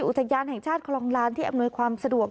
อุทยานแห่งชาติคลองลานที่อำนวยความสะดวก